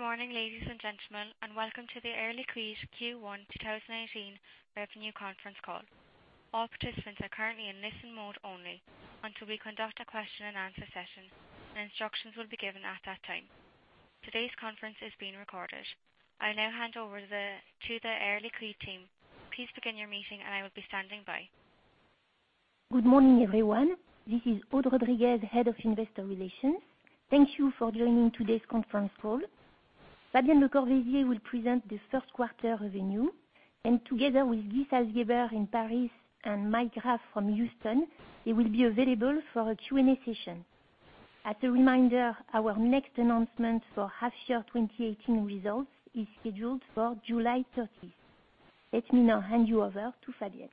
Good morning, ladies and gentlemen. Welcome to the Air Liquide Q1 2018 Revenue Conference Call. All participants are currently in listen mode only until we conduct a question-and-answer session. Instructions will be given at that time. Today's conference is being recorded. I'll now hand over to the Air Liquide team. Please begin your meeting and I will be standing by. Good morning, everyone. This is Aude Rodriguez, Head of Investor Relations. Thank you for joining today's conference call. Fabienne Lecorvaisier will present the first quarter revenue. Together with Guy Salzgeber in Paris and Mike Graff from Houston, they will be available for a Q&A session. As a reminder, our next announcement for half-year 2018 results is scheduled for July 30th. Let me now hand you over to Fabienne.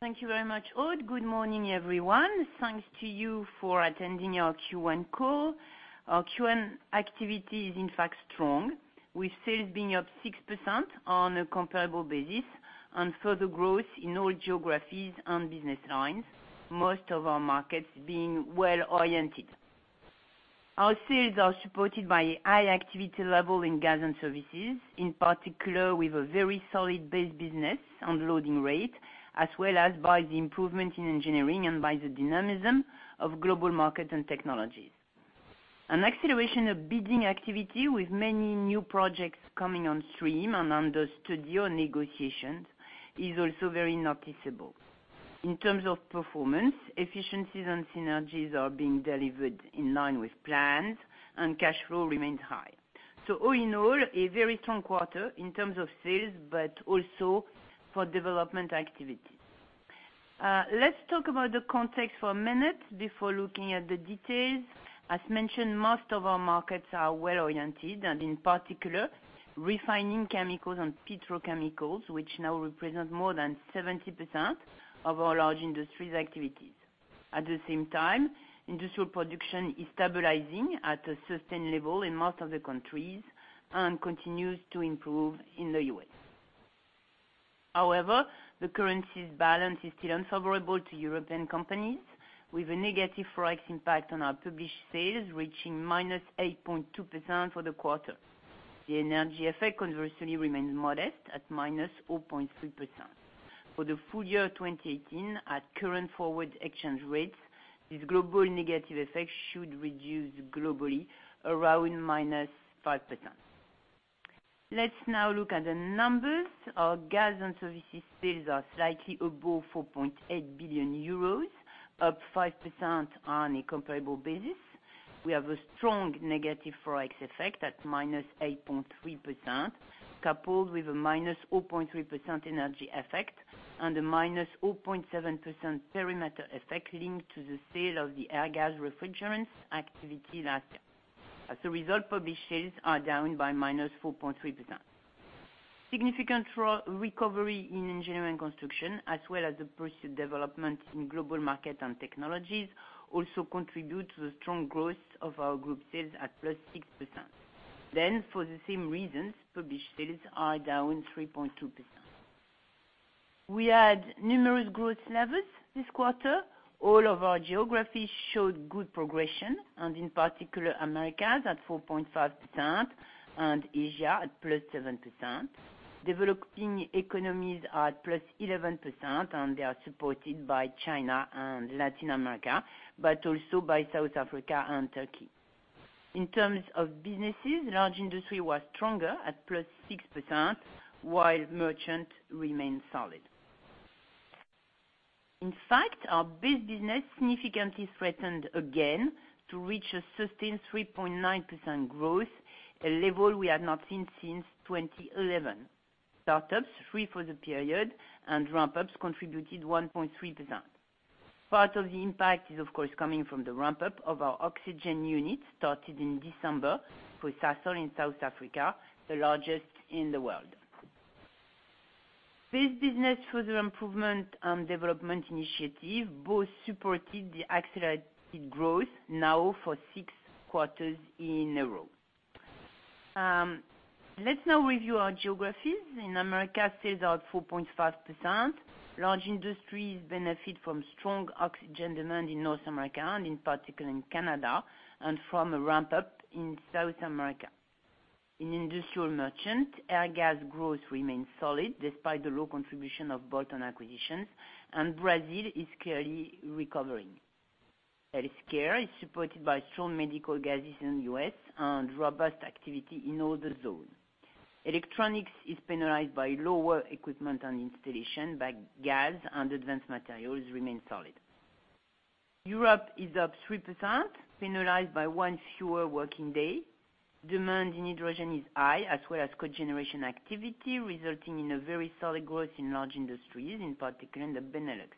Thank you very much, Aude. Good morning, everyone. Thanks to you for attending our Q1 call. Our Q1 activity is in fact strong, with sales being up 6% on a comparable basis and further growth in all geographies and business lines, most of our markets being well-oriented. Our sales are supported by high activity level in gas and services, in particular with a very solid base business on loading rate, as well as by the improvement in engineering and by the dynamism of Global Markets & Technologies. An acceleration of bidding activity with many new projects coming on stream and under study or negotiations is also very noticeable. In terms of performance, efficiencies and synergies are being delivered in line with plans and cash flow remains high. All in all, a very strong quarter in terms of sales, also for development activities. Let's talk about the context for a minute before looking at the details. As mentioned, most of our markets are well-oriented. In particular, refining chemicals and petrochemicals, which now represent more than 70% of our large industries activities. At the same time, industrial production is stabilizing at a sustained level in most of the countries and continues to improve in the U.S. The currency balance is still unfavorable to European companies, with a negative ForEx impact on our published sales reaching -8.2% for the quarter. The energy effect conversely remains modest at -0.3%. For the full-year 2018, at current forward exchange rates, this global negative effect should reduce globally around -5%. Let's now look at the numbers. Our gas and services sales are slightly above 4.8 billion euros, up 5% on a comparable basis. We have a strong negative ForEx effect at -8.3%, coupled with a -0.3% energy effect and a -0.7% perimeter effect linked to the sale of the Airgas Refrigerants activity last year. As a result, published sales are down by -4.3%. Significant recovery in Engineering & Construction, as well as the pursued development in Global Markets & Technologies also contribute to the strong growth of our group sales at +6%. For the same reasons, published sales are down 3.2%. We had numerous growth levels this quarter. All of our geographies showed good progression, and in particular Americas at 4.5% and Asia at +7%. Developing economies are at +11% and they are supported by China and Latin America, but also by South Africa and Turkey. In terms of businesses, Large Industries was stronger at +6%, while Merchant Markets remained solid. In fact, our base business significantly strengthened again to reach a sustained 3.9% growth, a level we have not seen since 2011. Start-ups, 3 for the period, and ramp-ups contributed 1.3%. Part of the impact is, of course, coming from the ramp-up of our oxygen unit started in December for Sasol in South Africa, the largest in the world. Base business, further improvement and development initiative both supported the accelerated growth now for 6 quarters in a row. Let's now review our geographies. In America, sales are 4.5%. Large Industries benefit from strong oxygen demand in North America and in particular in Canada and from a ramp-up in South America. In Industrial Merchant, Airgas growth remains solid despite the low contribution of bolt-on acquisitions, and Brazil is clearly recovering. Healthcare is supported by strong medical gases in the U.S. and robust activity in all the zones. Electronics is penalized by lower equipment and installation by Airgas, and advanced materials remain solid. Europe is up 3%, penalized by one fewer working day. Demand in hydrogen is high, as well as cogeneration activity, resulting in a very solid growth in Large Industries, in particular in the Benelux.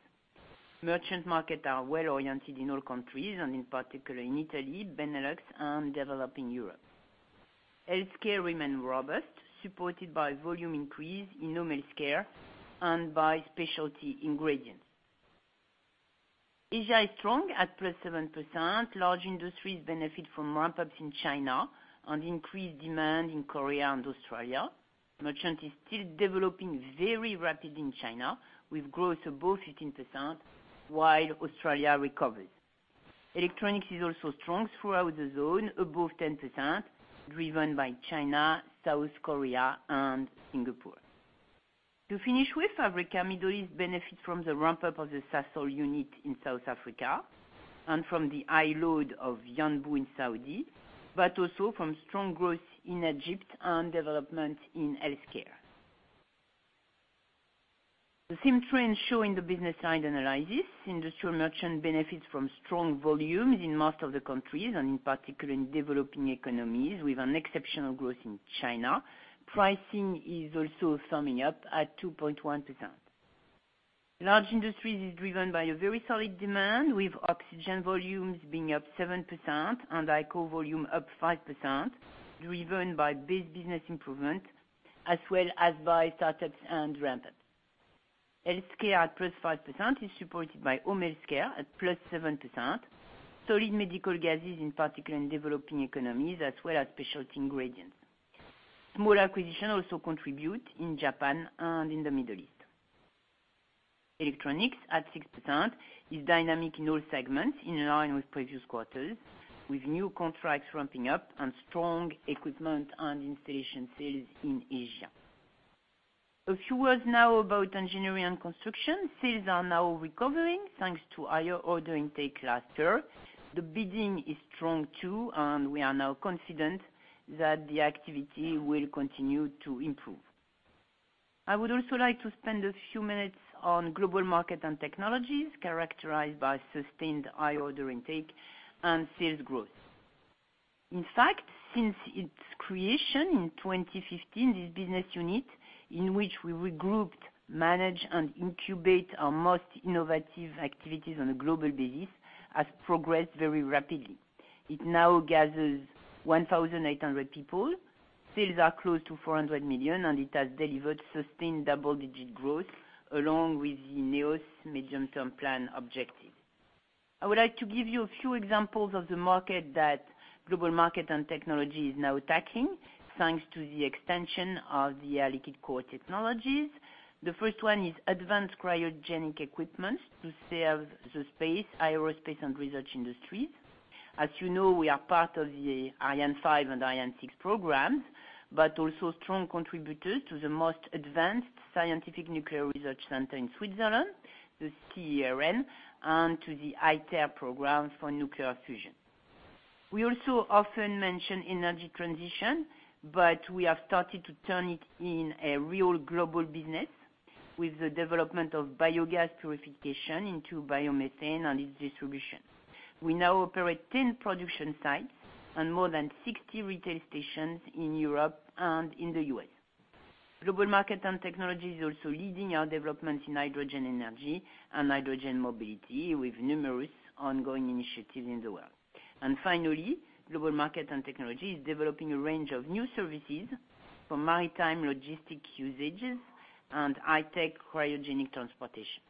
Merchant Markets are well-oriented in all countries, and in particular in Italy, Benelux and developing Europe. Healthcare remained robust, supported by volume increase in home healthcare and by specialty ingredients. Asia is strong at +7%. Large Industries benefit from ramp-ups in China and increased demand in Korea and Australia. Merchant Markets is still developing very rapidly in China, with growth above 15%, while Australia recovers. Electronics is also strong throughout the zone, above 10%, driven by China, South Korea, and Singapore. To finish with Africa, Middle East benefits from the ramp-up of the Sasol unit in South Africa and from the high load of Yanbu in Saudi, but also from strong growth in Egypt and development in healthcare. The same trends show in the business side analysis. Industrial Merchant benefits from strong volumes in most of the countries, and in particular in developing economies, with an exceptional growth in China. Pricing is also firming up at 2.1%. Large Industries is driven by a very solid demand, with oxygen volumes being up 7% and CO volume up 5%, driven by base business improvement as well as by start-ups and ramp-ups. Healthcare at plus 5% is supported by home healthcare at plus 7%, solid medical gases in particular in developing economies, as well as specialty ingredients. Small acquisitions also contribute in Japan and in the Middle East. Electronics at 6% is dynamic in all segments, in line with previous quarters, with new contracts ramping up and strong equipment and installation sales in Asia. A few words now about Engineering & Construction. Sales are now recovering thanks to higher order intake last year. The bidding is strong too. We are now confident that the activity will continue to improve. I would also like to spend a few minutes on Global Markets & Technologies characterized by sustained high-order intake and sales growth. In fact, since its creation in 2015, this business unit, in which we regrouped, manage, and incubate our most innovative activities on a global basis, has progressed very rapidly. It now gathers 1,800 people. Sales are close to 400 million. It has delivered sustained double-digit growth along with the NEOS medium-term plan objective. I would like to give you a few examples of the market that Global Markets & Technologies is now tackling, thanks to the extension of the Air Liquide core technologies. The first one is advanced cryogenic equipment to serve the space, aerospace, and research industries. As you know, we are part of the Ariane 5 and Ariane 6 programs. We are also strong contributors to the most advanced scientific nuclear research center in Switzerland, the CERN, and to the ITER program for nuclear fusion. We also often mention energy transition. We have started to turn it in a real global business with the development of biogas purification into biomethane and its distribution. We now operate 10 production sites and more than 60 retail stations in Europe and in the U.S. Global Markets & Technologies is also leading our development in hydrogen energy and hydrogen mobility with numerous ongoing initiatives in the world. Finally, Global Markets & Technologies is developing a range of new services for maritime logistic usages and high-tech cryogenic transportation.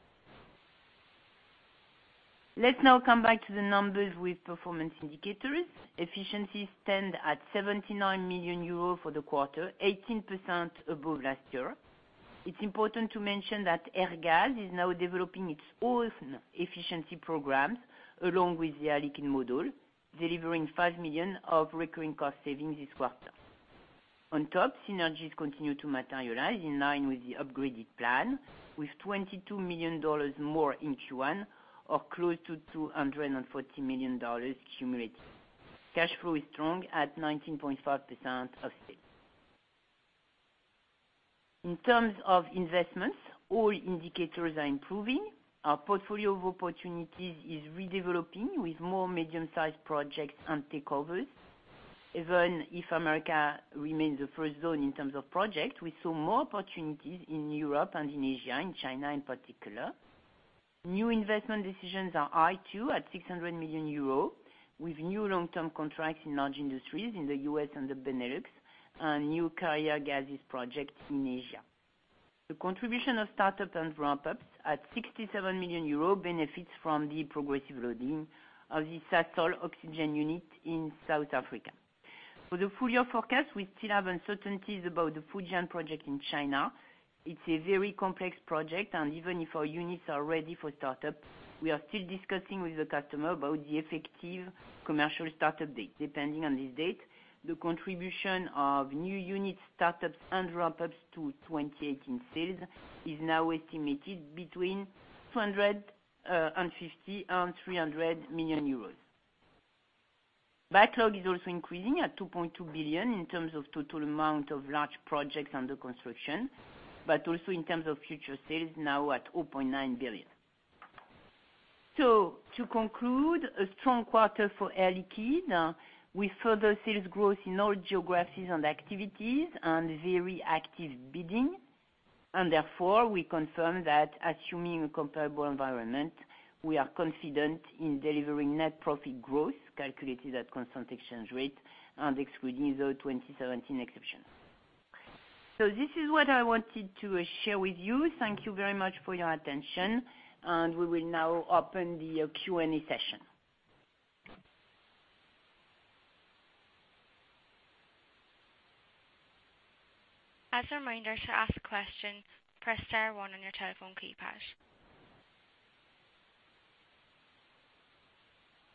Let's now come back to the numbers with performance indicators. Efficiencies stand at 79 million euros for the quarter, 18% above last year. It's important to mention that Airgas is now developing its own efficiency programs along with the Air Liquide module, delivering 5 million of recurring cost savings this quarter. On top, synergies continue to materialize in line with the upgraded plan, with $22 million more in Q1 or close to $240 million cumulative. Cash flow is strong at 19.5% of sales. In terms of investments, all indicators are improving. Our portfolio of opportunities is redeveloping with more medium-sized projects and takeovers. Even if America remains the first zone in terms of projects, we saw more opportunities in Europe and in Asia, in China in particular. New investment decisions are high too, at 600 million euros, with new long-term contracts in large industries in the U.S. and the Benelux, and new carrier gases projects in Asia. The contribution of startup and ramp-ups at 67 million euros benefits from the progressive loading of the Sasol oxygen unit in South Africa. For the full-year forecast, we still have uncertainties about the Fujian project in China. It's a very complex project. Even if our units are ready for startup, we are still discussing with the customer about the effective commercial startup date. Depending on this date, the contribution of new unit startups and ramp-ups to 2018 sales is now estimated between 250 million and 300 million euros. Backlog is also increasing at 2.2 billion in terms of total amount of large projects under construction, but also in terms of future sales, now at 0.9 billion. To conclude, a strong quarter for Air Liquide with further sales growth in all geographies and activities and very active bidding. Therefore, we confirm that assuming a comparable environment, we are confident in delivering net profit growth calculated at constant exchange rate and excluding the 2017 exception. This is what I wanted to share with you. Thank you very much for your attention, and we will now open the Q&A session. As a reminder, to ask a question, press star one on your telephone keypad.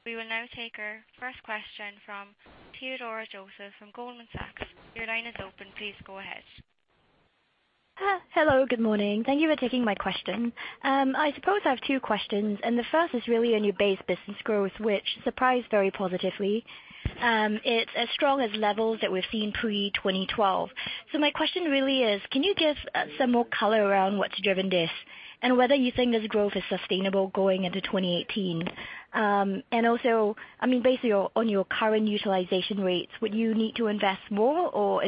We will now take our first question from Georgina Fraser from Goldman Sachs. Your line is open. Please go ahead. Hello, good morning. Thank you for taking my question. I suppose I have two questions. The first is really on your base business growth, which surprised very positively. It's as strong as levels that we've seen pre-2012. My question really is, can you give some more color around what's driven this, and whether you think this growth is sustainable going into 2018? Also, basically, on your current utilization rates, would you need to invest more, or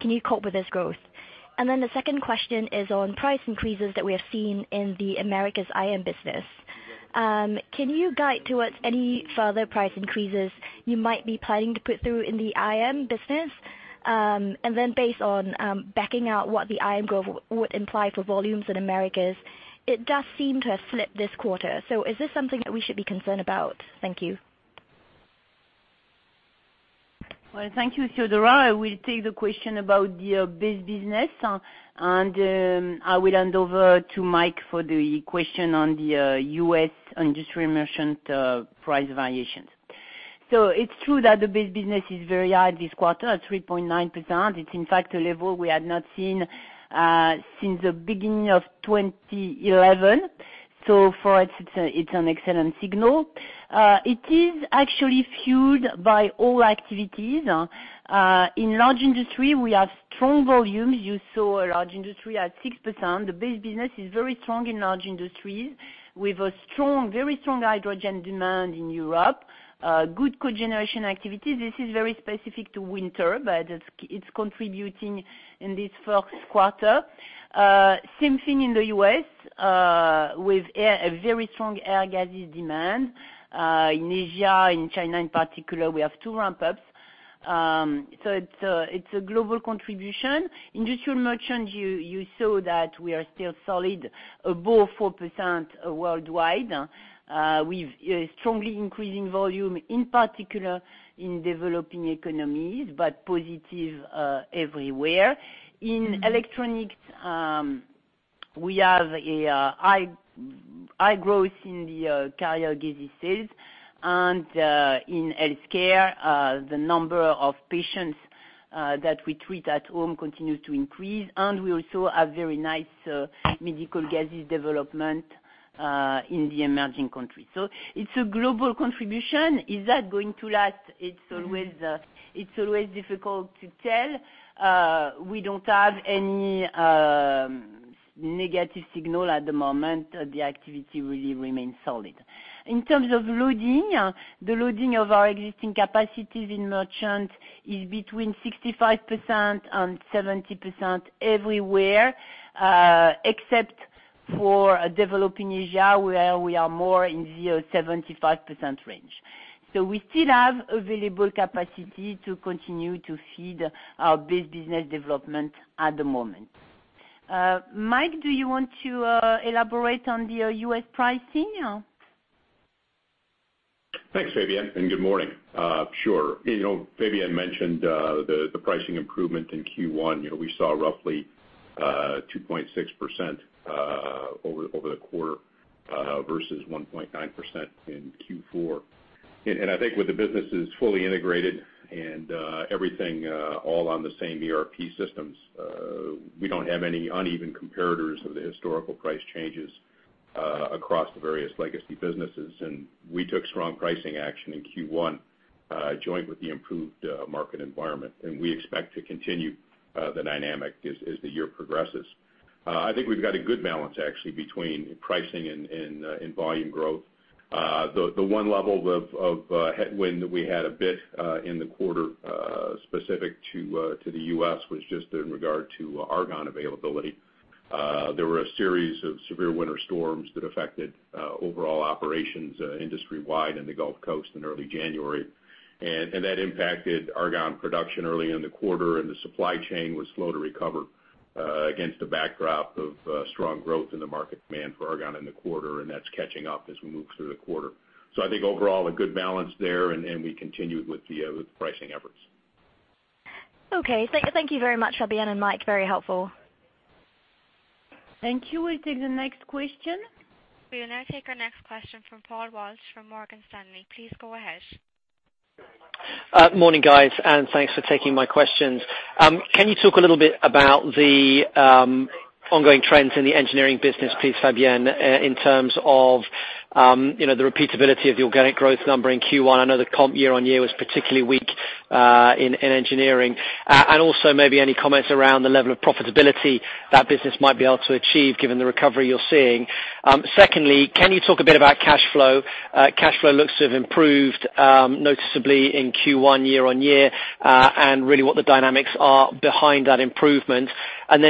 can you cope with this growth? The second question is on price increases that we have seen in the Americas IM business. Can you guide towards any further price increases you might be planning to put through in the IM business? Based on backing out what the IM growth would imply for volumes in Americas, it does seem to have slipped this quarter. Is this something that we should be concerned about? Thank you. Well, thank you, Georgina Fraser. I will take the question about the base business, and I will hand over to Mike for the question on the U.S. Industrial Merchant price variations. It's true that the base business is very high this quarter, at 3.9%. It's in fact a level we had not seen since the beginning of 2011. For us, it's an excellent signal. It is actually fueled by all activities. In Large industry, we have strong volumes. You saw a Large industry at 6%. The base business is very strong in Large industries, with a very strong hydrogen demand in Europe. Good cogeneration activity. This is very specific to winter, but it's contributing in this first quarter. Same thing in the U.S., with a very strong Airgas demand. In Asia, in China in particular, we have two ramp-ups. It's a global contribution. Industrial Merchants, you saw that we are still solid, above 4% worldwide, with strongly increasing volume, in particular in developing economies, but positive everywhere. In Electronics, we have a high growth in the carrier gases sales. In Healthcare, the number of patients that we treat at home continue to increase, and we also have very nice medical gases development in the emerging countries. It's a global contribution. Is that going to last? It's always difficult to tell. We don't have any negative signal at the moment. The activity really remains solid. In terms of loading, the loading of our existing capacities in Merchant is between 65%-70% everywhere, except for developing Asia, where we are more in the 75% range. We still have available capacity to continue to feed our base business development at the moment. Mike, do you want to elaborate on the U.S. pricing? Thanks, Fabienne, and good morning. Sure. Fabienne mentioned the pricing improvement in Q1. We saw roughly 2.6% over the quarter, versus 1.9% in Q4. I think with the businesses fully integrated and everything all on the same ERP systems, we don't have any uneven comparators of the historical price changes across the various legacy businesses. We took strong pricing action in Q1, joint with the improved market environment. We expect to continue the dynamic as the year progresses. I think we've got a good balance, actually, between pricing and volume growth. The one level of headwind that we had a bit in the quarter specific to the U.S. was just in regard to argon availability. There were a series of severe winter storms that affected overall operations industry-wide in the Gulf Coast in early January. That impacted argon production early in the quarter. The supply chain was slow to recover against a backdrop of strong growth in the market demand for argon in the quarter. That's catching up as we move through the quarter. I think overall, a good balance there, and we continue with the pricing efforts. Okay. Thank you very much, Fabienne and Mike. Very helpful. Thank you. We'll take the next question. We will now take our next question from Paul Walsh from Morgan Stanley. Please go ahead. Morning, guys, and thanks for taking my questions. Can you talk a little bit about the ongoing trends in the engineering business, please, Fabienne, in terms of the repeatability of the organic growth number in Q1? I know the comp year-over-year was particularly weak in engineering. Also maybe any comments around the level of profitability that business might be able to achieve given the recovery you're seeing. Secondly, can you talk a bit about cash flow? Cash flow looks to have improved noticeably in Q1 year-over-year, and really what the dynamics are behind that improvement.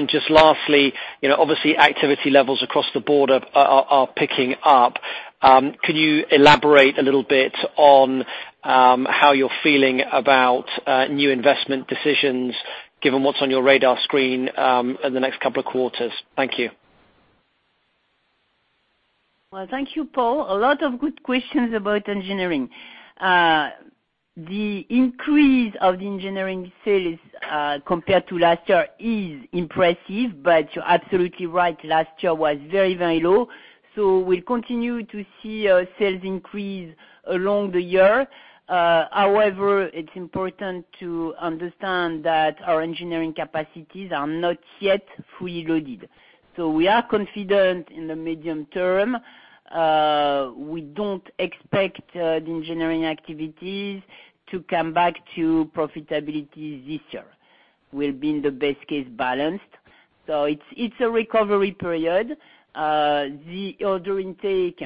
Just lastly, obviously activity levels across the board are picking up. Can you elaborate a little bit on how you're feeling about new investment decisions given what's on your radar screen in the next couple of quarters? Thank you. Thank you, Paul. A lot of good questions about engineering. The increase of the engineering sales compared to last year is impressive, but you're absolutely right, last year was very low. We'll continue to see our sales increase along the year. However, it's important to understand that our engineering capacities are not yet fully loaded. We are confident in the medium term. We don't expect the engineering activities to come back to profitability this year. We'll be in the best case balanced. It's a recovery period. The order intake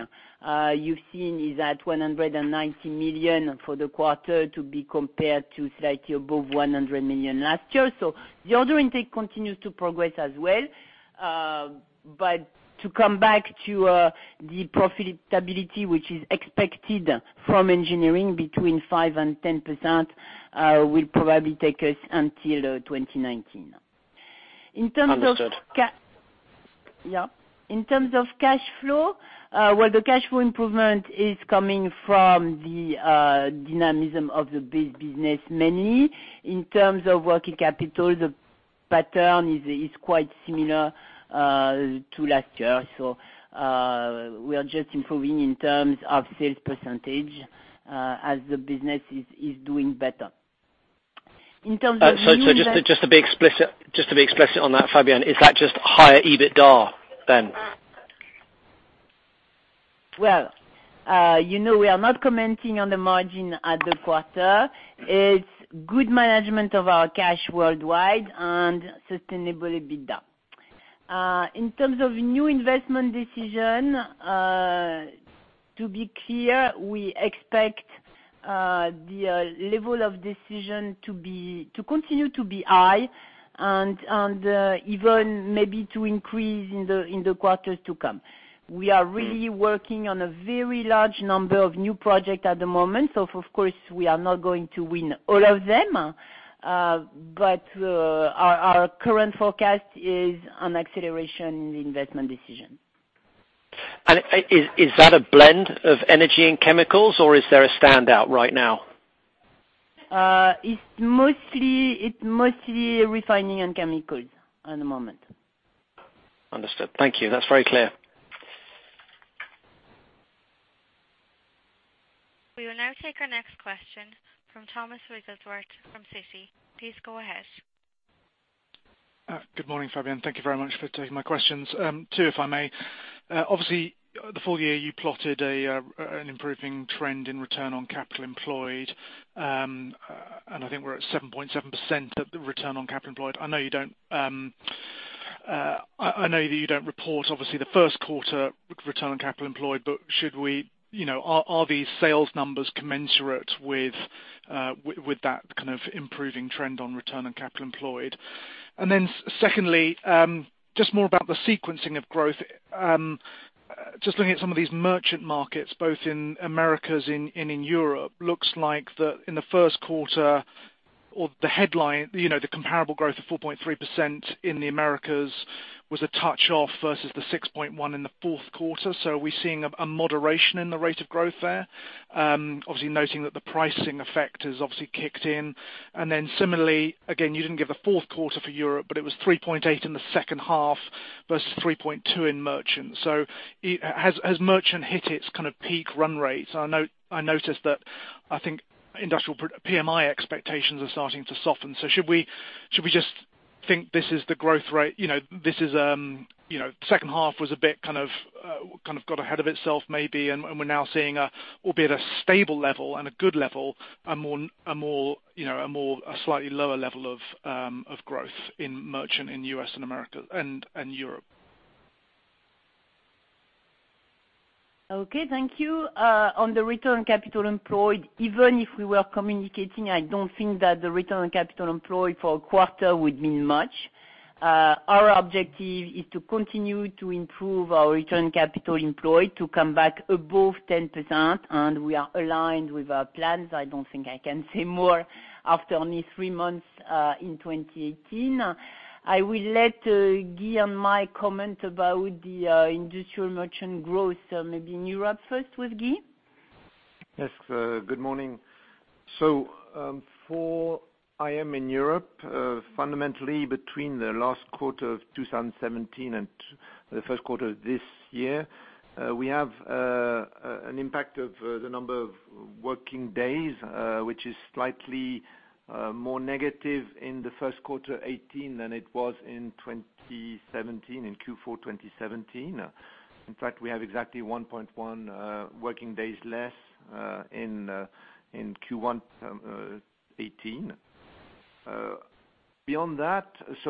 you've seen is at 190 million for the quarter to be compared to slightly above 100 million last year. The order intake continues to progress as well. To come back to the profitability which is expected from engineering between 5%-10% will probably take us until 2019. Understood. Yeah. In terms of cash flow, well, the cash flow improvement is coming from the dynamism of the base business mainly. In terms of working capital, the pattern is quite similar to last year. We are just improving in terms of sales % as the business is doing better. In terms of new- Just to be explicit on that, Fabienne, is that just higher EBITDA then? Well, you know we are not commenting on the margin at the quarter. It's good management of our cash worldwide and sustainable EBITDA. In terms of new investment decision, to be clear, we expect the level of decision to continue to be high and even maybe to increase in the quarters to come. We are really working on a very large number of new project at the moment. Of course, we are not going to win all of them. Our current forecast is an acceleration in the investment decision. Is that a blend of energy and chemicals, or is there a standout right now? It's mostly refining and chemicals at the moment. Understood. Thank you. That's very clear. We will now take our next question from Thomas from Citi. Please go ahead. Good morning, Fabienne. Thank you very much for taking my questions. Two, if I may. Obviously, the full year you plotted an improving trend in return on capital employed, and I think we're at 7.7% at the return on capital employed. I know that you don't report, obviously, the first quarter return on capital employed, but are these sales numbers commensurate with that kind of improving trend on return on capital employed? Secondly, just more about the sequencing of growth. Just looking at some of these merchant markets, both in Americas and in Europe, looks like in the first quarter or the headline, the comparable growth of 4.3% in the Americas was a touch off versus the 6.1% in the fourth quarter. Are we seeing a moderation in the rate of growth there? Obviously noting that the pricing effect has obviously kicked in. Similarly, again, you didn't give a fourth quarter for Europe, but it was 3.8% in the second half versus 3.2% in merchant. Has merchant hit its kind of peak run rate? I noticed that I think industrial PMI expectations are starting to soften. Should we just think this is the growth rate, the second half was a bit kind of got ahead of itself maybe, and we're now seeing a, albeit a stable level and a good level, a slightly lower level of growth in merchant in U.S. and Europe? Okay. Thank you. On the return on capital employed, even if we were communicating, I don't think that the return on capital employed for a quarter would mean much. Our objective is to continue to improve our return on capital employed to come back above 10%, and we are aligned with our plans. I don't think I can say more after only three months, in 2018. I will let Guy and Mike comment about the Industrial Merchant growth, maybe in Europe first with Guy. Yes. Good morning. For IM in Europe, fundamentally between the last quarter of 2017 and the first quarter of this year, we have an impact of the number of working days, which is slightly more negative in the first quarter 2018 than it was in 2017, in Q4 2017. In fact, we have exactly 1.1 working days less in Q1 2018. Beyond that. Is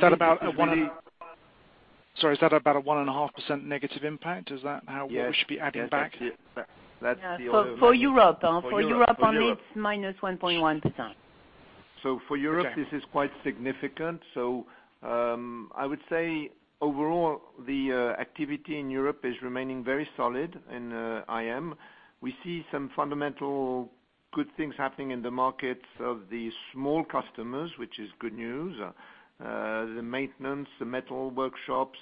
that about a 1.5% negative impact? Is that how we should be adding back? Yes. For Europe only, it's minus 1.1%. For Europe, this is quite significant. I would say overall, the activity in Europe is remaining very solid in IM. We see some fundamental good things happening in the markets of the small customers, which is good news. The maintenance, the metal workshops,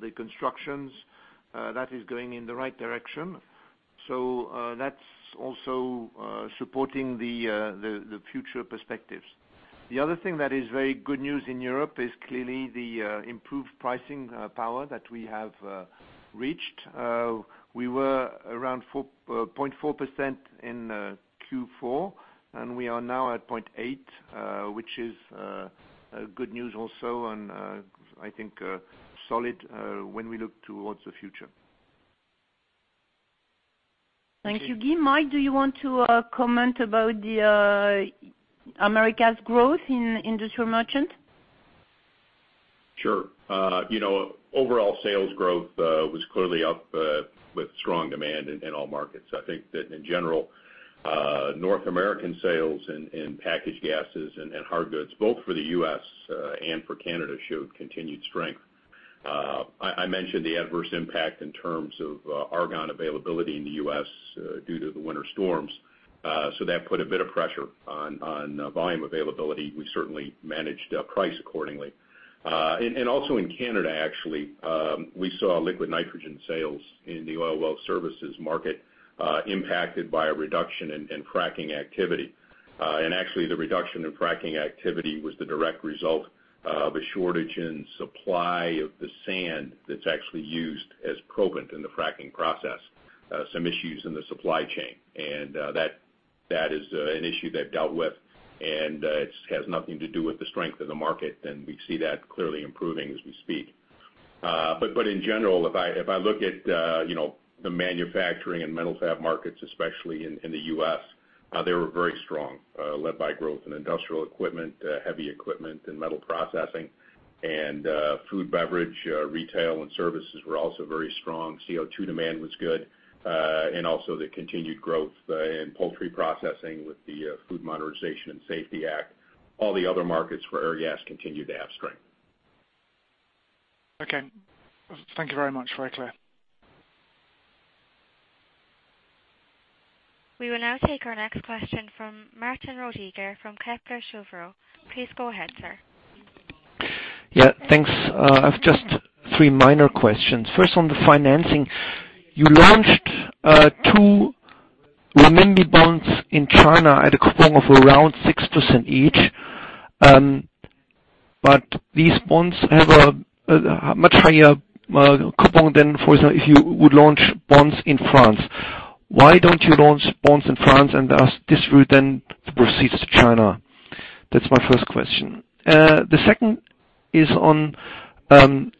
the constructions, that is going in the right direction. That's also supporting the future perspectives. The other thing that is very good news in Europe is clearly the improved pricing power that we have reached. We were around 0.4% in Q4, and we are now at 0.8%, which is good news also and I think solid when we look towards the future. Thank you, Guy. Mike, do you want to comment about the Americas growth in industrial merchant? Sure. Overall sales growth was clearly up with strong demand in all markets. I think that in general, North American sales in packaged gases and hard goods, both for the U.S. and for Canada, showed continued strength. I mentioned the adverse impact in terms of argon availability in the U.S. due to the winter storms. That put a bit of pressure on volume availability. We certainly managed price accordingly. Also in Canada actually, we saw liquid nitrogen sales in the oil well services market impacted by a reduction in fracking activity. Actually, the reduction in fracking activity was the direct result of a shortage in supply of the sand that's actually used as proppant in the fracking process. Some issues in the supply chain. That is an issue they've dealt with, and it has nothing to do with the strength of the market. We see that clearly improving as we speak. In general, if I look at the manufacturing and metal fab markets, especially in the U.S., they were very strong, led by growth in industrial equipment, heavy equipment, and metal processing. Food, beverage, retail, and services were also very strong. CO2 demand was good. Also the continued growth in poultry processing with the Food Safety Modernization Act. All the other markets for Airgas continued to have strength. Okay. Thank you very much. Very clear. We will now take our next question from Martin Roediger from Kepler Cheuvreux. Please go ahead, sir. Yeah, thanks. I have just three minor questions. First, on the financing. You launched two renminbi bonds in China at a coupon of around 6% each. These bonds have a much higher coupon than, for example, if you would launch bonds in France. Why don't you launch bonds in France, and thus distribute then the proceeds to China? That is my first question. The second is on one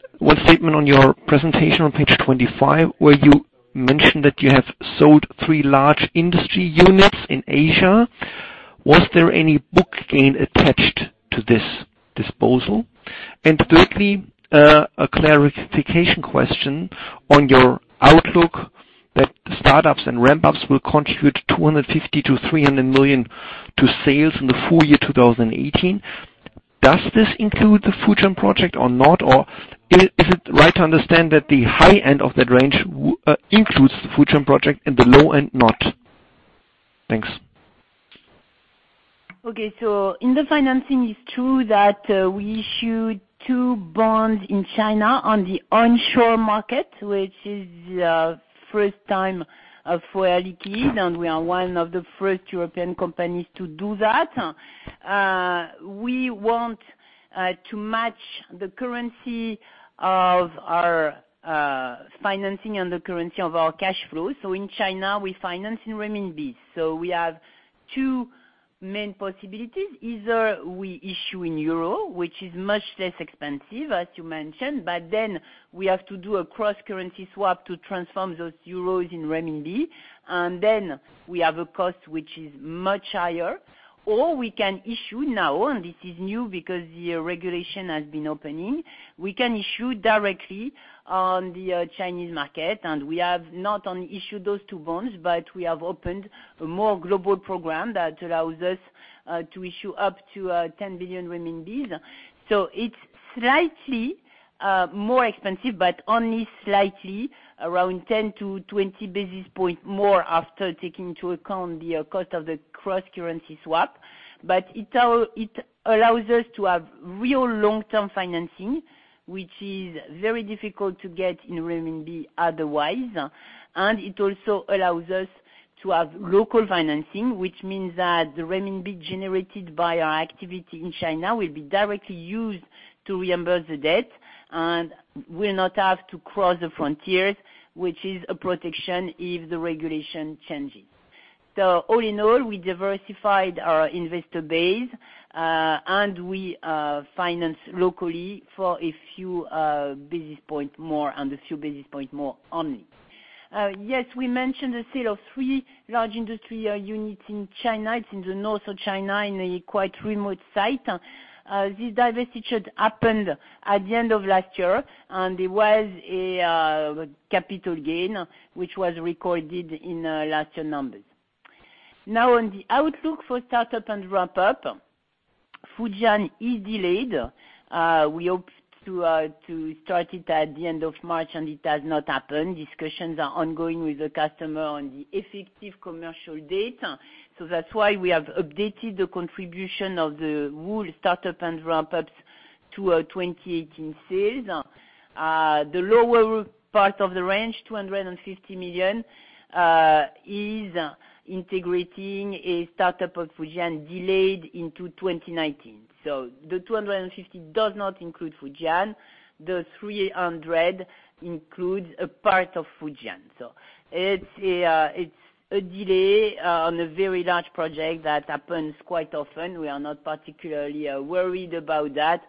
statement on your presentation on page 25, where you mentioned that you have sold three large industry units in Asia. Was there any book gain attached to this disposal? Thirdly, a clarification question on your outlook that the startups and ramp-ups will contribute 250 million-300 million to sales in the full year 2018. Does this include the Fujian project or not, or is it right to understand that the high end of that range includes the Fujian project and the low end not? Thanks. In the financing, it is true that we issued two bonds in China on the onshore market, which is the first time of Air Liquide, and we are one of the first European companies to do that. We want to match the currency of our financing and the currency of our cash flow. In China, we finance in renminbis. We have two main possibilities. Either we issue in euro, which is much less expensive, as you mentioned, then we have to do a cross-currency swap to transform those euros in renminbi. Then we have a cost which is much higher. We can issue now, and this is new because the regulation has been opening, we can issue directly on the Chinese market, and we have not only issued those two bonds, but we have opened a more global program that allows us to issue up to 10 billion renminbis. It is slightly more expensive, but only slightly, around 10 to 20 basis points more after taking into account the cost of the cross-currency swap. It allows us to have real long-term financing, which is very difficult to get in renminbi otherwise. It also allows us to have local financing, which means that the renminbi generated by our activity in China will be directly used to reimburse the debt, and we will not have to cross the frontiers, which is a protection if the regulation changes. All in all, we diversified our investor base, we finance locally for a few basis point more, a few basis point more only. Yes, we mentioned the sale of 3 large industry units in China. It's in the north of China in a quite remote site. This divestiture happened at the end of last year, there was a capital gain, which was recorded in last year numbers. On the outlook for startup and ramp-up, Fujian is delayed. We hoped to start it at the end of March, it has not happened. Discussions are ongoing with the customer on the effective commercial date. That's why we have updated the contribution of the whole startup and ramp-ups to our 2018 sales. The lower part of the range, 250 million, is integrating a startup of Fujian delayed into 2019. The 250 does not include Fujian. The 300 includes a part of Fujian. It's a delay on a very large project that happens quite often. We are not particularly worried about that,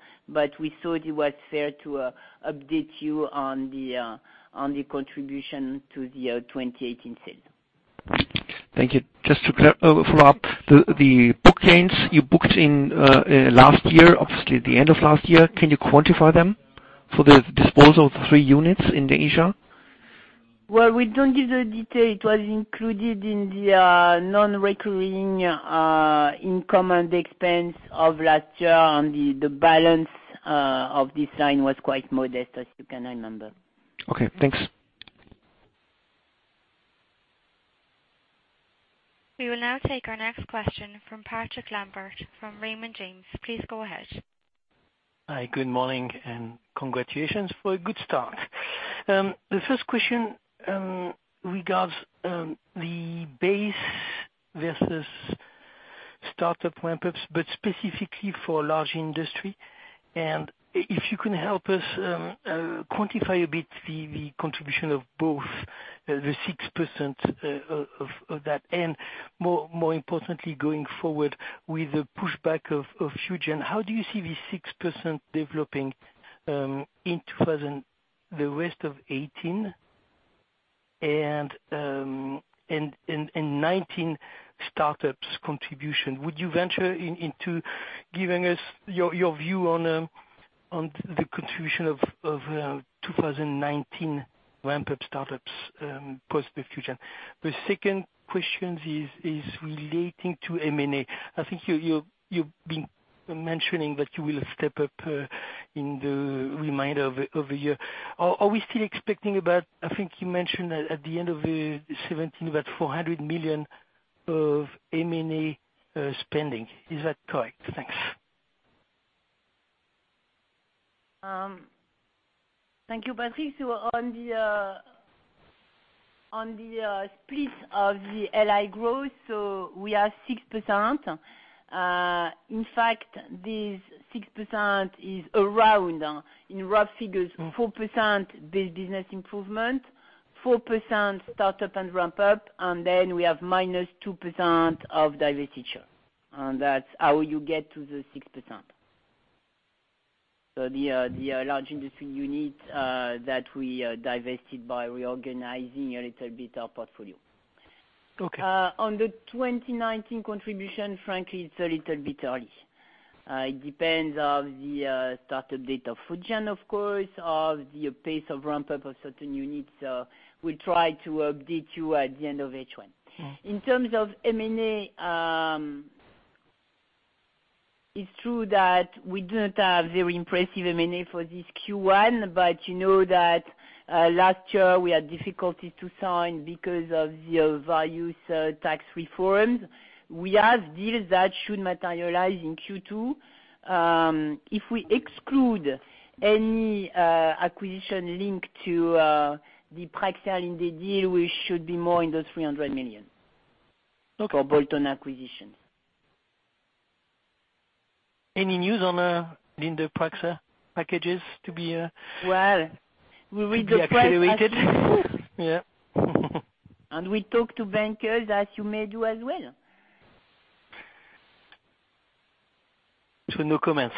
we thought it was fair to update you on the contribution to the 2018 sales. Thank you. Just to follow up, the book gains you booked in last year, obviously at the end of last year, can you quantify them for the disposal of 3 units in Asia? Well, we don't give the detail. It was included in the non-recurring income and expense of last year, the balance of this line was quite modest, as you can remember. Okay, thanks. We will now take our next question from Patrick Lambert from Raymond James. Please go ahead. Hi, good morning and congratulations for a good start. The first question regards the base versus startup ramp-ups, but specifically for large industry. If you can help us quantify a bit the contribution of both the 6% of that, and more importantly, going forward with the pushback of Fujian, how do you see the 6% developing in the rest of 2018 and 2019 startups contribution? Would you venture into giving us your view on the contribution of 2019 ramp-up startups, post the Fujian. The second question is relating to M&A. I think you've been mentioning that you will step up in the remainder of the year. Are we still expecting about, I think you mentioned at the end of 2017, about 400 million of M&A spending. Is that correct? Thanks. Thank you, Patrick. On the split of the LI growth, we are 6%. In fact, this 6% is around, in rough figures, 4% base business improvement, 4% startup and ramp-up, then we have minus 2% of divestiture. That's how you get to the 6%. The large industry unit that we divested by reorganizing a little bit our portfolio. Okay. On the 2019 contribution, frankly, it's a little bit early. It depends on the startup date of Fujian, of course, of the pace of ramp-up of certain units. We'll try to update you at the end of H1. In terms of M&A, it's true that we do not have very impressive M&A for this Q1, you know that last year we had difficulty to sign because of the various tax reforms. We have deals that should materialize in Q2. If we exclude any acquisition linked to the Praxair in the deal, we should be more in the 300 million- Okay for bolt-on acquisition. Any news on the Linde Praxair packages to be- Well, we read the press to be accelerated? Yeah. We talk to bankers, as you may do as well. No comments.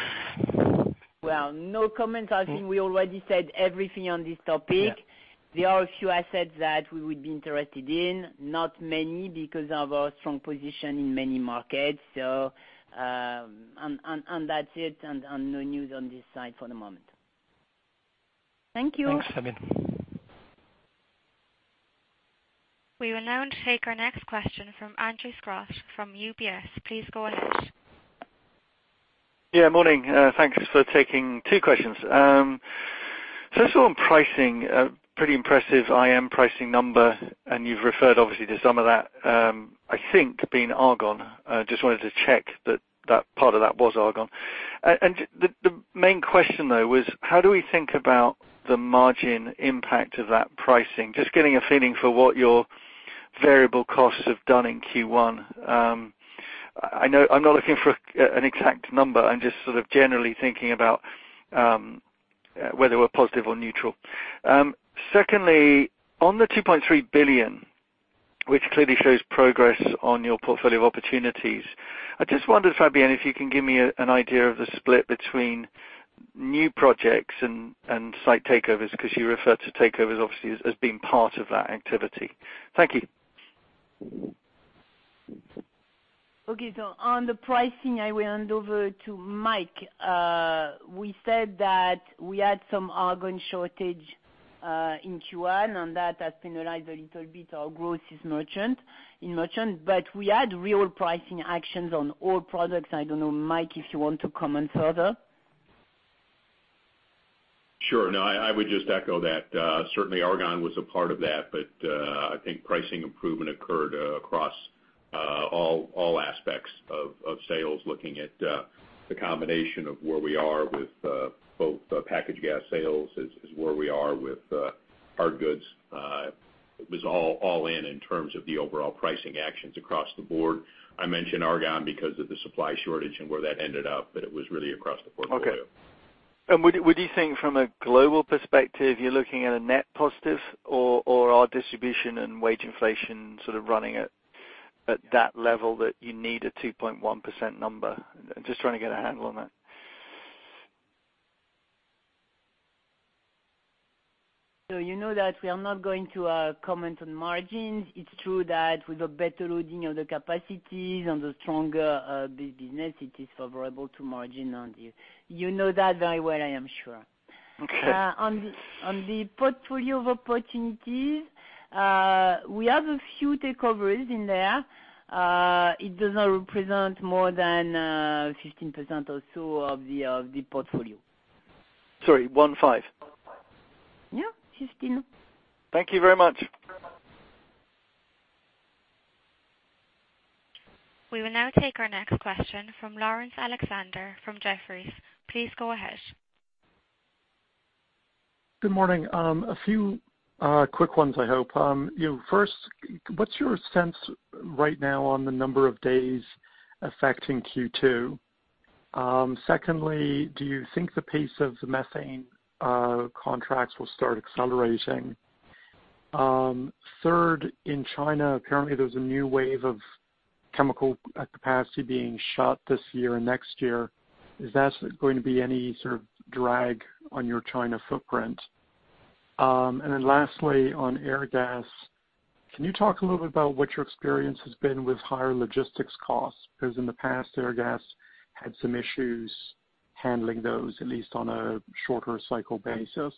Well, no comments as in we already said everything on this topic. Yeah. There are a few assets that we would be interested in, not many because of our strong position in many markets. That's it, no news on this side for the moment. Thanks, Fabienne. We will now take our next question from Andrew Stott from UBS. Please go ahead. Morning. Thanks for taking two questions. First of all, on pricing, pretty impressive IM pricing number, and you've referred obviously to some of that, I think being argon. Just wanted to check that that part of that was argon. The main question, though, was how do we think about the margin impact of that pricing? Just getting a feeling for what your variable costs have done in Q1. I am not looking for an exact number. I am just sort of generally thinking about whether we are positive or neutral. Secondly, on the 2.3 billion, which clearly shows progress on your portfolio of opportunities, I just wondered, Fabienne, if you can give me an idea of the split between new projects and site takeovers, because you referred to takeovers obviously as being part of that activity. Thank you. On the pricing, I will hand over to Mike. We said that we had some argon shortage in Q1, and that has penalized a little bit our growth in Merchant. We had real pricing actions on all products. I don't know, Mike, if you want to comment further. Sure. No, I would just echo that. Certainly argon was a part of that. I think pricing improvement occurred across all aspects of sales, looking at the combination of where we are with both packaged gas sales, as where we are with hard goods. It was all in terms of the overall pricing actions across the board. I mentioned argon because of the supply shortage and where that ended up. It was really across the portfolio. Okay. Would you think from a global perspective, you're looking at a net positive or are distribution and wage inflation sort of running at that level that you need a 2.1% number? Just trying to get a handle on that. You know that we are not going to comment on margins. It's true that with the better loading of the capacities and the stronger business, it is favorable to margin on this. You know that very well, I am sure. Okay. On the portfolio of opportunities, we have a few takeovers in there. It does not represent more than 15% or so of the portfolio. Sorry. One, five? Yeah. 15. Thank you very much. We will now take our next question from Laurence Alexander from Jefferies. Please go ahead. Good morning. A few quick ones, I hope. What's your sense right now on the number of days affecting Q2? Do you think the pace of the methane contracts will start accelerating? In China, apparently there's a new wave of chemical capacity being shot this year and next year. Is that going to be any sort of drag on your China footprint? Lastly, on Airgas, can you talk a little bit about what your experience has been with higher logistics costs? Because in the past, Airgas had some issues handling those, at least on a shorter cycle basis.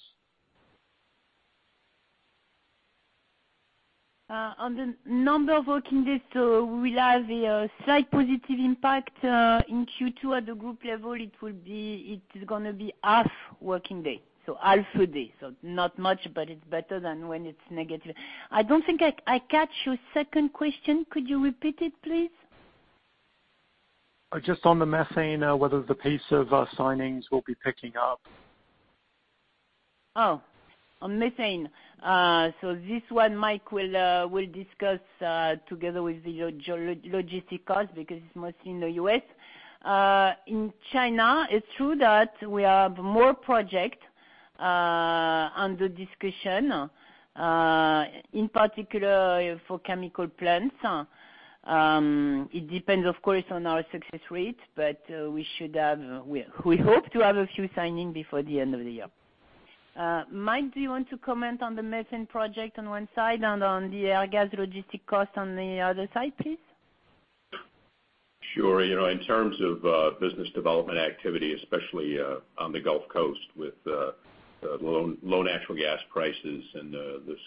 On the number of working days, we will have a slight positive impact in Q2 at the group level. It is going to be half working day, so half a day. Not much, but it's better than when it's negative. I don't think I catch your second question. Could you repeat it, please? Just on the methane, whether the pace of signings will be picking up. On methane. This one, Mike will discuss together with the logistic cost because it is mostly in the U.S. In China, it is true that we have more projects under discussion, in particular for chemical plants. It depends, of course, on our success rate, but we hope to have a few signings before the end of the year. Mike, do you want to comment on the methane project on one side and on the Airgas logistic cost on the other side, please? Sure. In terms of business development activity, especially on the Gulf Coast with low natural gas prices and this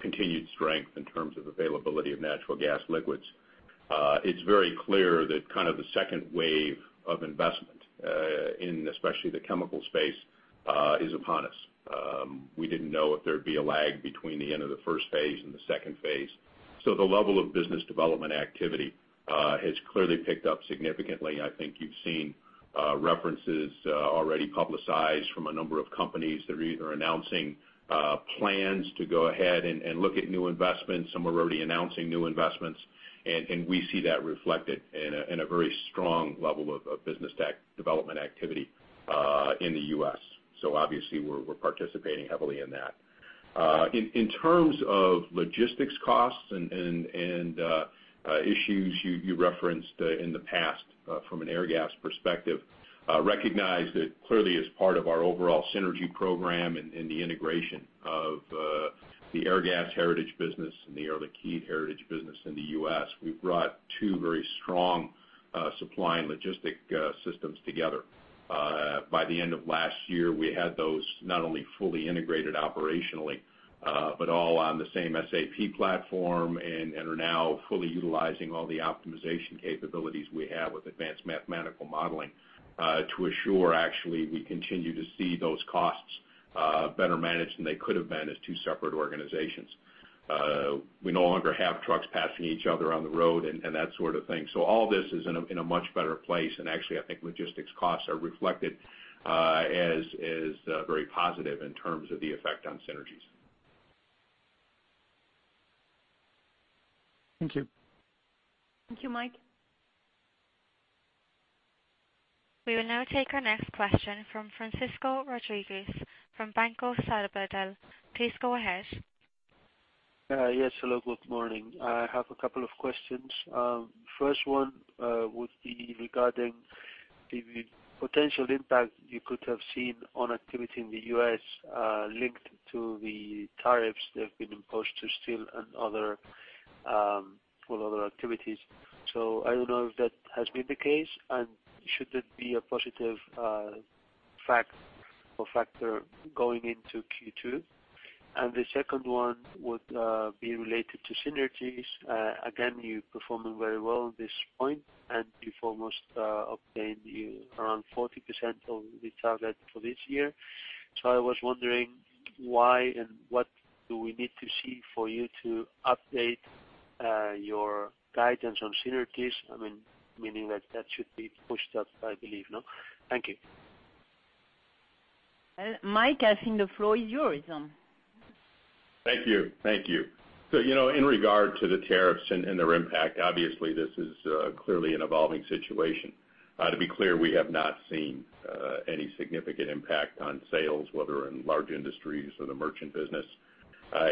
continued strength in terms of availability of natural gas liquids, it is very clear that kind of the second wave of investment, especially in the chemical space, is upon us. We did not know if there would be a lag between the end of the first phase and the second phase. The level of business development activity has clearly picked up significantly. I think you have seen references already publicized from a number of companies that are either announcing plans to go ahead and look at new investments. Some are already announcing new investments, and we see that reflected in a very strong level of business development activity in the U.S. Obviously, we are participating heavily in that. In terms of logistics costs and issues you referenced in the past from an Airgas perspective, recognize that clearly as part of our overall synergy program and the integration of the Airgas heritage business and the Air Liquide heritage business in the U.S., we have brought two very strong supply and logistic systems together. By the end of last year, we had those not only fully integrated operationally, but all on the same SAP platform and are now fully utilizing all the optimization capabilities we have with advanced mathematical modeling to assure actually we continue to see those costs better managed than they could have been as two separate organizations. We no longer have trucks passing each other on the road and that sort of thing. All this is in a much better place, and actually, I think logistics costs are reflected as very positive in terms of the effect on synergies. Thank you. Thank you, Mike. We will now take our next question from Francisco Rodriguez from Banco Sabadell. Please go ahead. Yes, hello. Good morning. I have a couple of questions. First one would be regarding the potential impact you could have seen on activity in the U.S. linked to the tariffs that have been imposed to steel and other activities. I don't know if that has been the case, and should it be a positive fact or factor going into Q2? The second one would be related to synergies. Again, you're performing very well on this point, and you've almost obtained around 40% of the target for this year. I was wondering why and what do we need to see for you to update your guidance on synergies? Meaning that that should be pushed up, I believe. Thank you. Michael, I think the floor is yours. Thank you. In regard to the tariffs and their impact, obviously, this is clearly an evolving situation. To be clear, we have not seen any significant impact on sales, whether in large industries or the merchant business.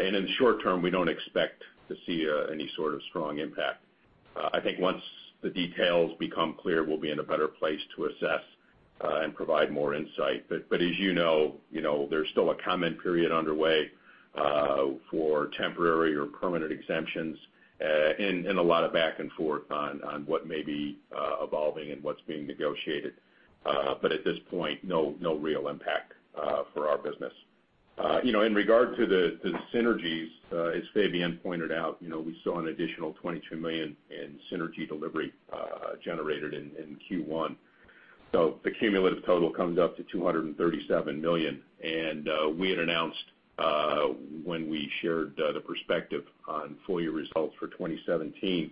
In the short term, we don't expect to see any sort of strong impact. I think once the details become clear, we'll be in a better place to assess and provide more insight. As you know, there's still a comment period underway for temporary or permanent exemptions, and a lot of back and forth on what may be evolving and what's being negotiated. At this point, no real impact for our business. In regard to the synergies, as Fabienne pointed out, we saw an additional 22 million in synergy delivery generated in Q1. The cumulative total comes up to 237 million, and we had announced when we shared the perspective on full-year results for 2017,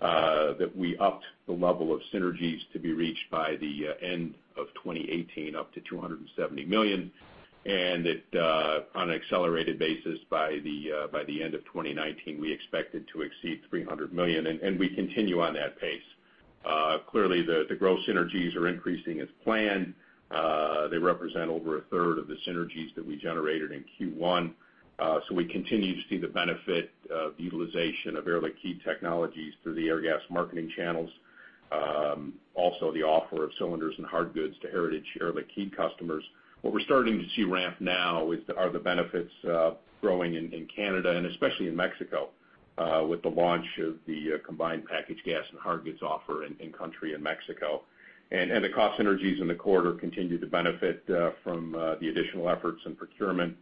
that we upped the level of synergies to be reached by the end of 2018, up to 270 million. That on an accelerated basis by the end of 2019, we expected to exceed 300 million, and we continue on that pace. Clearly, the growth synergies are increasing as planned. They represent over a third of the synergies that we generated in Q1. We continue to see the benefit of utilization of Air Liquide technologies through the Airgas marketing channels. Also, the offer of cylinders and hard goods to Heritage Air Liquide customers. What we're starting to see ramp now are the benefits growing in Canada and especially in Mexico, with the launch of the combined package gas and hard goods offer in country in Mexico. The cost synergies in the quarter continue to benefit from the additional efforts in procurement,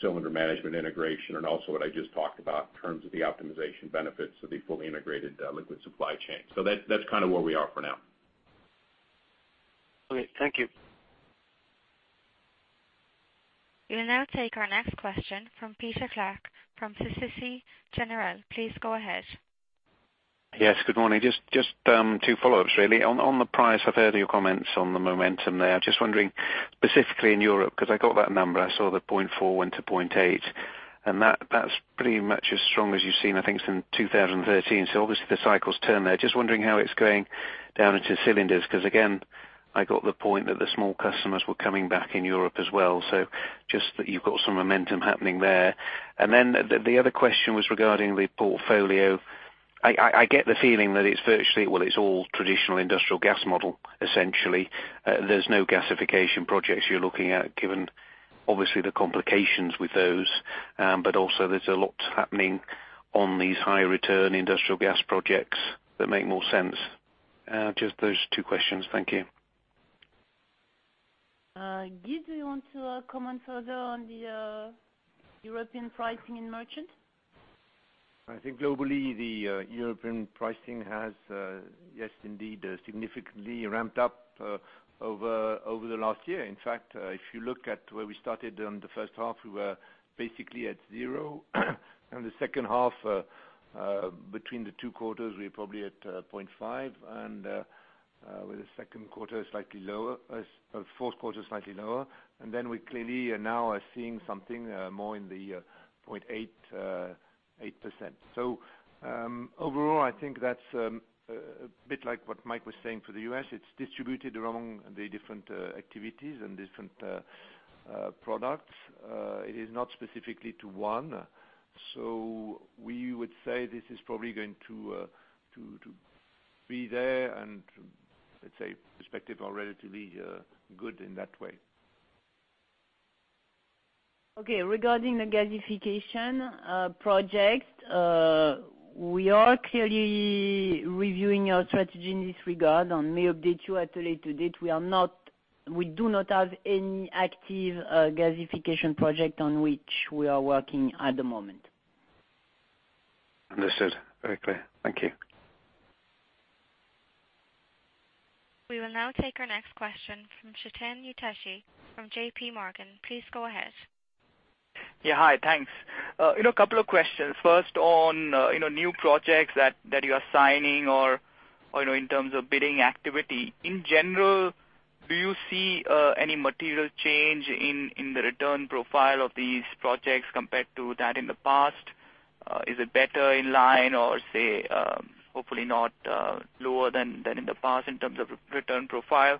cylinder management integration, and also what I just talked about in terms of the optimization benefits of the fully integrated liquid supply chain. That's where we are for now. Okay. Thank you. We will now take our next question from Peter Clark from Societe Generale. Please go ahead. Yes, good morning. Just two follow-ups really. On the price, I've heard your comments on the momentum there. Just wondering specifically in Europe, because I got that number. I saw the 0.4 went to 0.8, and that's pretty much as strong as you've seen, I think, since 2013. Obviously the cycle's turned there. Just wondering how it's going down into cylinders. Again, I got the point that the small customers were coming back in Europe as well. Just that you've got some momentum happening there. The other question was regarding the portfolio. I get the feeling that it's virtually, well, it's all traditional industrial gas model, essentially. There's no gasification projects you're looking at, given obviously the complications with those. There's a lot happening on these high return industrial gas projects that make more sense. Just those two questions. Thank you. Guy, do you want to comment further on the European pricing in merchant? I think globally, the European pricing has, yes indeed, significantly ramped up over the last year. In fact, if you look at where we started on the first half, we were basically at 0. In the second half, between the 2 quarters, we're probably at 0.5, and with the fourth quarter slightly lower. We clearly are now seeing something more in the 0.8%. Overall, I think that's a bit like what Michael Graff was saying for the U.S. It's distributed among the different activities and different products. It is not specifically to one. We would say this is probably going to be there and let's say perspectives are relatively good in that way. Okay, regarding the gasification project, we are clearly reviewing our strategy in this regard and may update you at a later date. We do not have any active gasification project on which we are working at the moment. Understood. Very clear. Thank you. We will now take our next question from Chetan Udeshi from JP Morgan. Please go ahead. Yeah. Hi, thanks. A couple of questions. First on new projects that you are signing or in terms of bidding activity. In general, do you see any material change in the return profile of these projects compared to that in the past? Is it better in line or say, hopefully not lower than in the past in terms of return profile?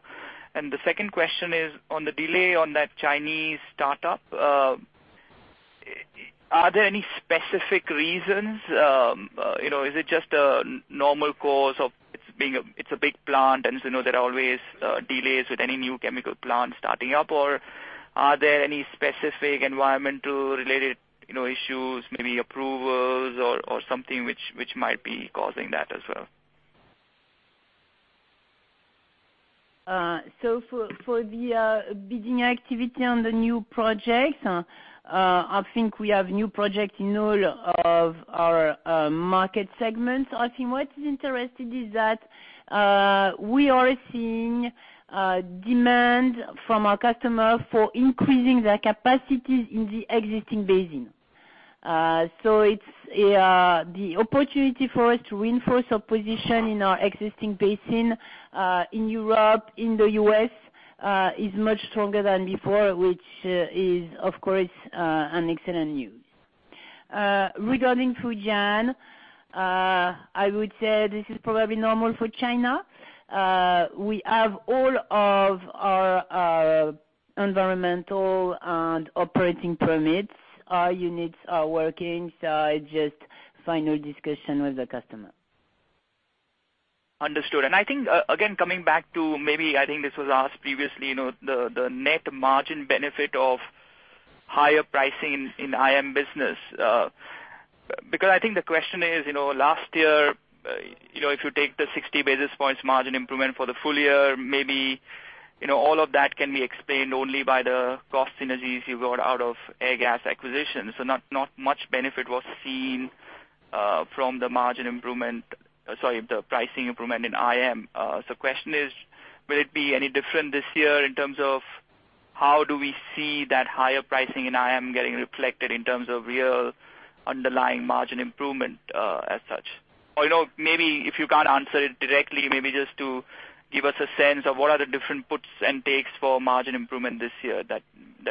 The second question is on the delay on that Chinese startup. Are there any specific reasons? Is it just a normal course of it's a big plant, there are always delays with any new chemical plant starting up? Are there any specific environmental related issues, maybe approvals or something which might be causing that as well? For the bidding activity on the new project, I think we have new project in all of our market segments. I think what is interesting is that we are seeing demand from our customer for increasing their capacities in the existing basin. The opportunity for us to reinforce our position in our existing basin, in Europe, in the U.S., is much stronger than before, which is, of course, an excellent news. Regarding Fujian, I would say this is probably normal for China. We have all of our environmental and operating permits. Our units are working, it's just final discussion with the customer. Understood. I think, again, coming back to maybe, I think this was asked previously, the net margin benefit of higher pricing in IM business. I think the question is, last year, if you take the 60 basis points margin improvement for the full year, maybe all of that can be explained only by the cost synergies you got out of Airgas acquisition. Not much benefit was seen from the margin improvement, sorry, the pricing improvement in IM. Question is, will it be any different this year in terms of how do we see that higher pricing in IM getting reflected in terms of real underlying margin improvement, as such? Maybe if you can't answer it directly, maybe just to give us a sense of what are the different puts and takes for margin improvement this year that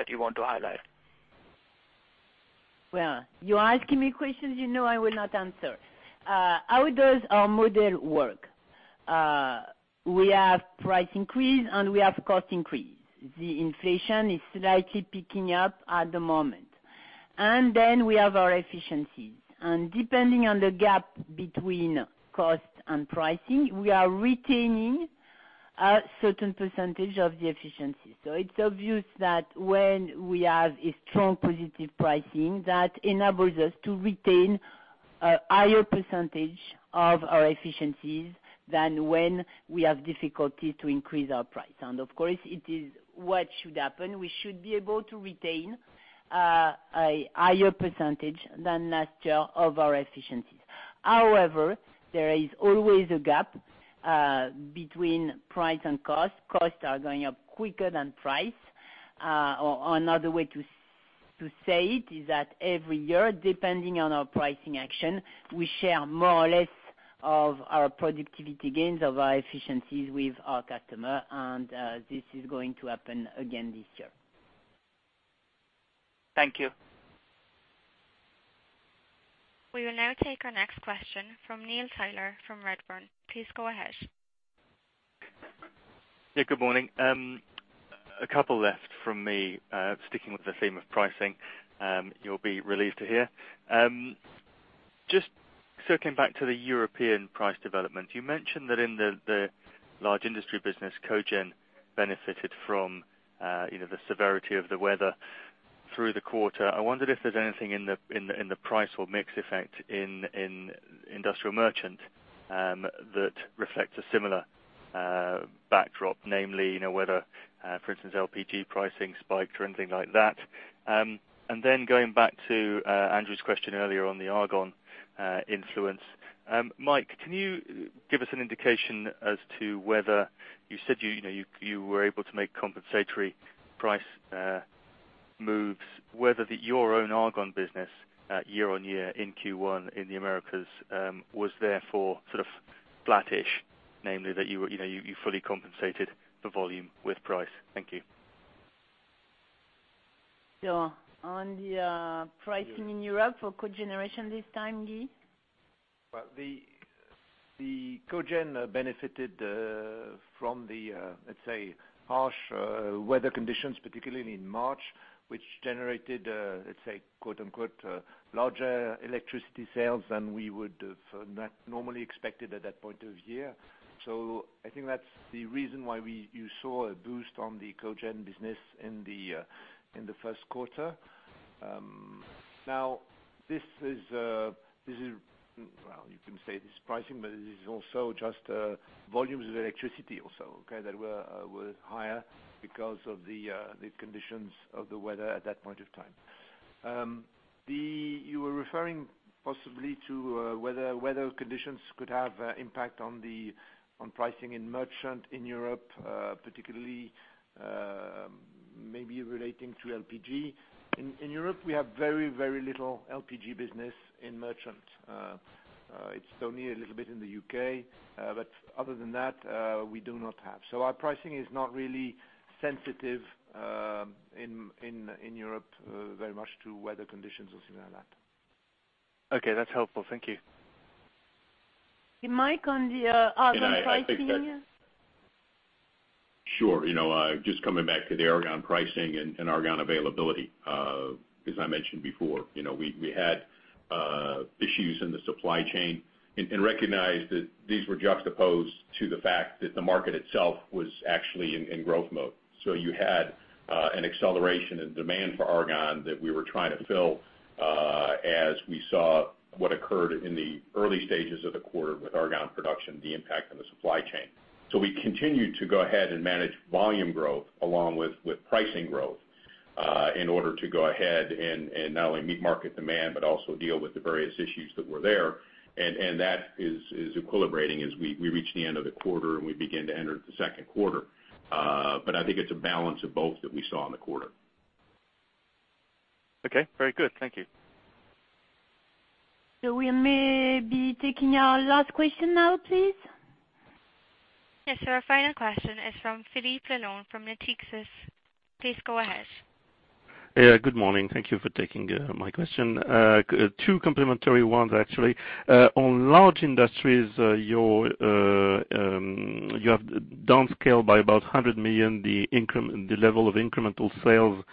you want to highlight. Well, you're asking me questions you know I will not answer. How does our model work? We have price increase, we have cost increase. The inflation is slightly picking up at the moment. We have our efficiencies. Depending on the gap between cost and pricing, we are retaining a certain percentage of the efficiency. It's obvious that when we have a strong positive pricing, that enables us to retain a higher percentage of our efficiencies than when we have difficulty to increase our price. Of course, it is what should happen. We should be able to retain a higher percentage than last year of our efficiencies. However, there is always a gap between price and cost. Costs are going up quicker than price. Another way to say it is that every year, depending on our pricing action, we share more or less of our productivity gains, of our efficiencies with our customer. This is going to happen again this year. Thank you. We will now take our next question from Neil Tyler from Redburn. Please go ahead. Good morning. A couple left from me, sticking with the theme of pricing, you'll be relieved to hear. Just circling back to the European price development, you mentioned that in the Large Industry business, cogen benefited from the severity of the weather through the quarter. I wondered if there's anything in the price or mix effect in Industrial Merchant that reflects a similar backdrop, namely, whether, for instance, LPG pricing spiked or anything like that. Then going back to Andrew's question earlier on the argon influence, Mike, can you give us an indication as to whether you said you were able to make compensatory price moves, whether your own argon business year on year in Q1 in the Americas was therefore sort of flattish, namely that you fully compensated the volume with price? Thank you. On the pricing in Europe for cogeneration this time, Guy? Well, the co-gen benefited from the, let's say, harsh weather conditions, particularly in March, which generated a, let's say, quote-unquote, larger electricity sales than we would have normally expected at that point of year. I think that's the reason why you saw a boost on the co-gen business in the first quarter. Now, this is, well, you can say this is pricing, but it is also just volumes of electricity also, okay, that were higher because of the conditions of the weather at that point of time. You were referring possibly to whether weather conditions could have impact on pricing in merchant in Europe, particularly maybe relating to LPG. In Europe, we have very, very little LPG business in merchant. It's only a little bit in the U.K. Other than that, we do not have. Our pricing is not really sensitive in Europe very much to weather conditions or something like that. Okay, that's helpful. Thank you. Mike, on the argon pricing? Sure. Just coming back to the argon pricing and argon availability. As I mentioned before, we had issues in the supply chain and recognized that these were juxtaposed to the fact that the market itself was actually in growth mode. You had an acceleration in demand for argon that we were trying to fill as we saw what occurred in the early stages of the quarter with argon production, the impact on the supply chain. We continued to go ahead and manage volume growth along with pricing growth, in order to go ahead and not only meet market demand, but also deal with the various issues that were there. That is equilibrating as we reach the end of the quarter and we begin to enter the second quarter. I think it's a balance of both that we saw in the quarter. Okay. Very good. Thank you. We may be taking our last question now, please. Yes, our final question is from Philippe Laroche from Natixis. Please go ahead. Good morning. Thank you for taking my question. Two complementary ones, actually. On large industries, you have downscaled by about 100 million the level of incremental sales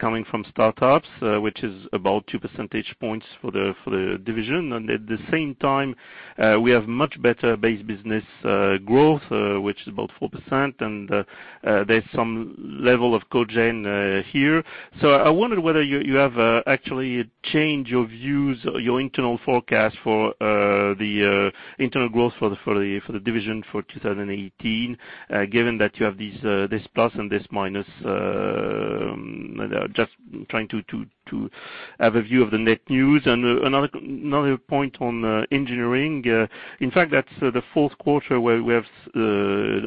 coming from startups, which is about two percentage points for the division. At the same time, we have much better base business growth, which is about 4%, and there's some level of cogen here. I wondered whether you have actually changed your views, your internal forecast for the internal growth for the division for 2018, given that you have this plus and this minus. Just trying to have a view of the net news. Another point on Engineering. In fact, that's the fourth quarter where we have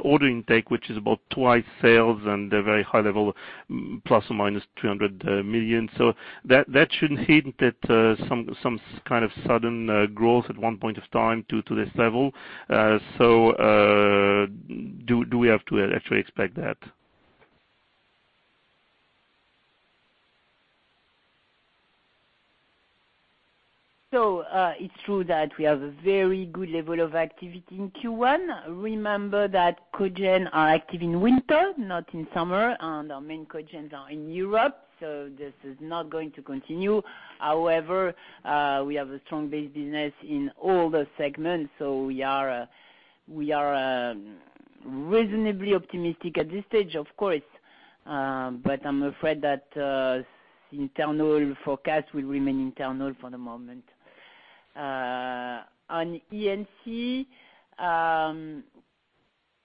order intake, which is about twice sales and a very high level, ± 300 million. That should hint at some kind of sudden growth at one point of time to this level. Do we have to actually expect that? It's true that we have a very good level of activity in Q1. Remember that cogen are active in winter, not in summer, and our main cogens are in Europe, so this is not going to continue. However, we have a strong base business in all the segments, so we are reasonably optimistic at this stage, of course. I'm afraid that internal forecasts will remain internal for the moment. On E&C,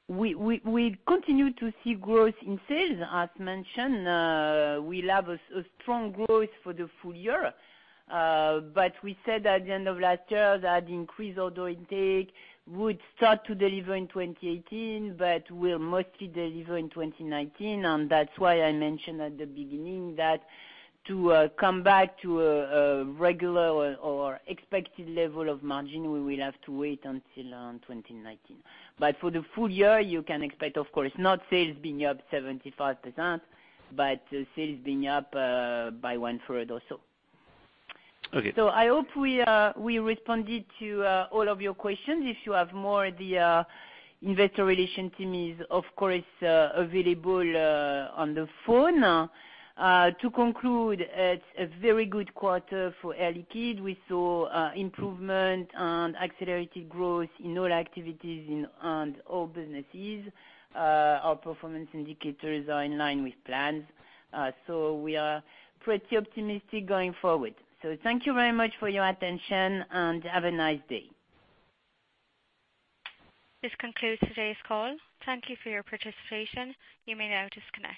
we continue to see growth in sales. As mentioned, we'll have a strong growth for the full year. We said at the end of last year that increased order intake would start to deliver in 2018, but will mostly deliver in 2019. That's why I mentioned at the beginning that to come back to a regular or expected level of margin, we will have to wait until 2019. For the full year, you can expect, of course, not sales being up 75%, but sales being up by one-third or so. Okay. I hope we responded to all of your questions. If you have more, the investor relation team is, of course, available on the phone. To conclude, it's a very good quarter for Air Liquide. We saw improvement and accelerated growth in all activities and all businesses. Our performance indicators are in line with plans. We are pretty optimistic going forward. Thank you very much for your attention, and have a nice day. This concludes today's call. Thank you for your participation. You may now disconnect.